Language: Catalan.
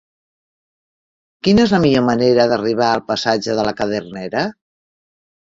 Quina és la millor manera d'arribar al passatge de la Cadernera?